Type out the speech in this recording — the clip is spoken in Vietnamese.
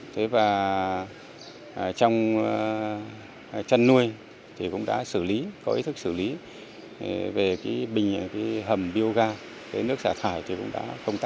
trong chăn nuôi cũng đã xử lý có ý thức xử lý về bình hầm bioga